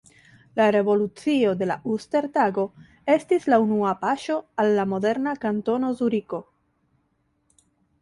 La revolucio de la Uster-Tago estis la unua paŝo al la moderna Kantono Zuriko.